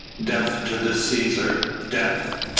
Death to the Cæsar! Death!"